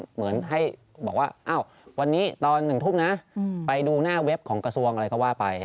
เหมือนให้บอกว่าอ้าววันนี้ตอน๑ทุ่มนะไปดูหน้าเว็บของกระทรวงอะไรก็ว่าไป